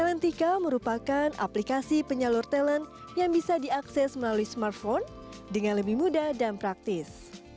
talentica merupakan aplikasi penyalur talent yang bisa diakses melalui smartphone dengan lebih mudah dan praktis